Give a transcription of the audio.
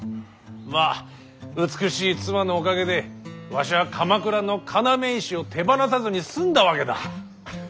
まあ美しい妻のおかげでわしは鎌倉の要石を手放さずに済んだわけだ。